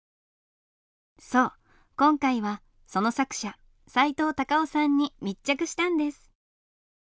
そう今回はその作者さいとう・たかをさんに密着したんです。